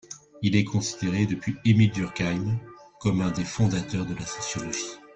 Il est considéré depuis Émile Durkheim comme un des fondateurs de la sociologie.